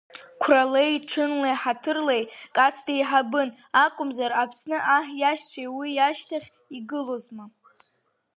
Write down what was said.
Қәралеи, чынлеи, ҳаҭырлеи Кац деиҳабын, акәымзар Аԥсны аҳ иашьцәа уи иашьҭахь игылозма.